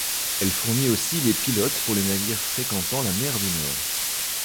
Elle fournit aussi les pilotes pour les navires fréquentant la Mer du Nord.